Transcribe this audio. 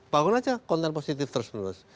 bangun aja konten positif terus menerus